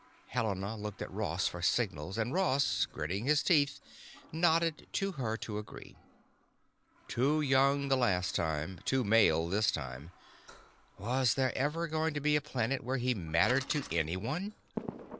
Helena looked to Ross for signals, and Ross, gritting his teeth, nodded to her to agree. Too young the last time, too male this time; was there ever going to be a planet where he mattered to anyone?